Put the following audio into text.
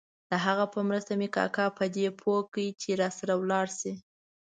د هغه په مرسته مې کاکا په دې پوه کړ چې راسره ولاړ شي.